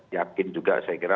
yakin juga saya kira